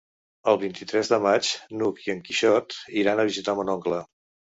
El vint-i-tres de maig n'Hug i en Quixot iran a visitar mon oncle.